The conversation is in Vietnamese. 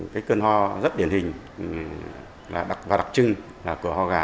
cái cơn ho rất điển hình và đặc trưng của ho gà